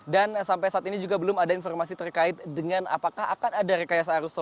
dan sampai saat ini juga belum ada informasi terkait dengan apakah akan ada rekayasa arus